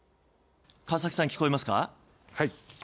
川崎さん、聞こえますか。